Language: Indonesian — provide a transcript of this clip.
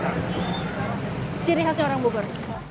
ciri khasnya orang bogor